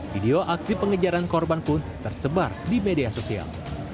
video aksi pengejaran korban pun tersebar di media sosial